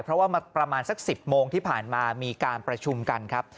เพราะว่าประมาณสัก๑๐โมงที่ผ่านมามีการประชุมกันครับ